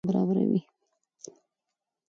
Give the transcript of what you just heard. د مېلو فضا د شخړو پر ځای تفاهم ته زمینه برابروي.